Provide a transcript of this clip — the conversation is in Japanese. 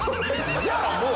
じゃあもう。